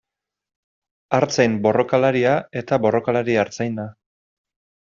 Artzain borrokalaria eta borrokalari artzaina.